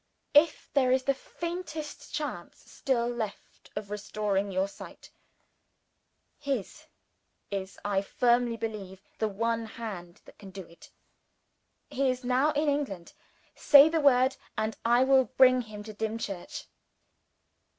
If there is the faintest chance still left of restoring your sight, his is, I firmly believe, the one hand that can do it. He is now in England. Say the word and I will bring him to Dimchurch."